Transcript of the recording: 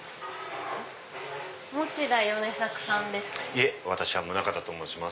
いえ私は宗形と申します。